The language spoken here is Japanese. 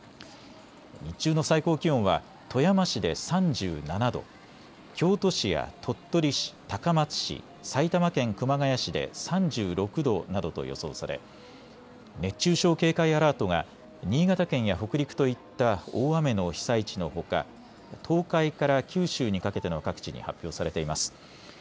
日中の最高気温は富山市で３７度、京都市や鳥取市、高松市、埼玉県熊谷市で３６度などと予想され熱中症警戒アラートが新潟県や北陸といった大雨の被災地のほか東海から九州にかけての各地に発表されています。